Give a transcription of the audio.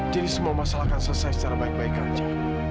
jadi semua masalah akan selesai secara baik baik aja